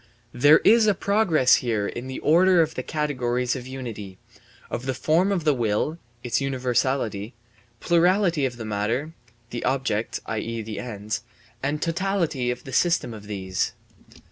* There is a progress here in the order of the categories of unity of the form of the will (its universality), plurality of the matter (the objects, i.e., the ends), and totality of the system of these.